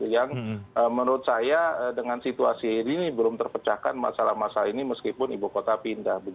yang menurut saya dengan situasi ini belum terpecahkan masalah masalah ini meskipun ibu kota pindah